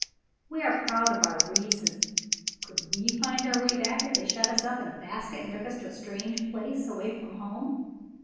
We are proud of our reason. Could we find our way back, if they shut us up in a basket, and took us to a strange place away from home?